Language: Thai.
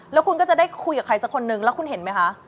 แล้วคุณก็จะได้คุยกับใครสักคนนึงแล้วคุณเห็นไหมคะ